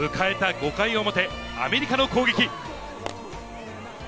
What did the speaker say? ５回表、アメリカの攻撃。